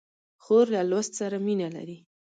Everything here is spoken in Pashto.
خور له لوست سره مینه لري.